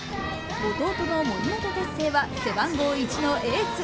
弟の森本哲星は背番号１のエース。